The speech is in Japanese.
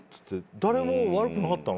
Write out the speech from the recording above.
誰も悪くなかったの？」